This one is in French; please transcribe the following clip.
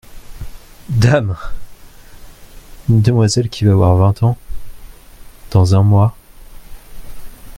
Dame !… une demoiselle qui va avoir vingt ans… dans un mois…